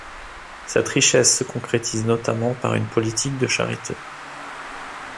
Cette richesse se concrétise notamment par une politique de charité.